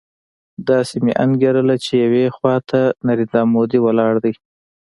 داسې مې انګېرله چې يوې خوا ته نریندرا مودي ولاړ دی.